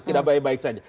tidak baik baik saja